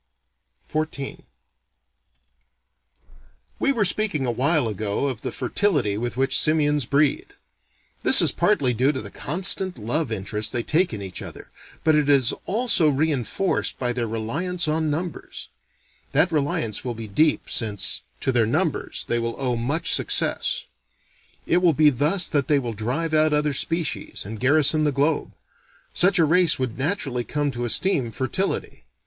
XIV We were speaking a while ago of the fertility with which simians breed. This is partly due to the constant love interest they take in each other, but it is also reenforced by their reliance on numbers. That reliance will be deep, since, to their numbers, they will owe much success. It will be thus that they will drive out other species, and garrison the globe. Such a race would naturally come to esteem fertility.